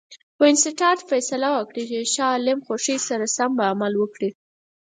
وینسیټارټ فیصله وکړه چې د شاه عالم خوښي سره سم عمل وکړي.